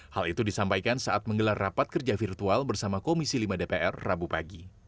hal itu disampaikan saat menggelar rapat kerja virtual bersama komisi lima dpr rabu pagi